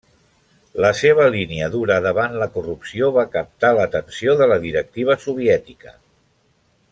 La seva línia dura davant la corrupció va captar l'atenció de la directiva soviètica.